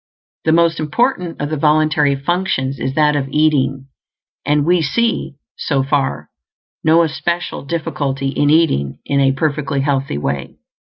The most important of the voluntary functions is that of eating; and we see, so far, no especial difficulty in eating in a perfectly healthy way.